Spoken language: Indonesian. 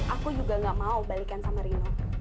aku juga gak mau balikan sama rino